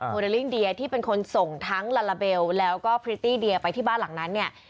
เลลิ่งเดียที่เป็นคนส่งทั้งลาลาเบลแล้วก็พริตตี้เดียไปที่บ้านหลังนั้นเนี่ย